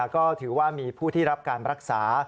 ก็ถือว่ามีผู้ที่รับการรักษา